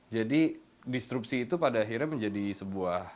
jadi distruksi itu pada akhirnya menjadi sebuah